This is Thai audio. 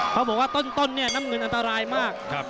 เขาบอกว่าต้นเนี่ยน้ำเงินอันตรายมาก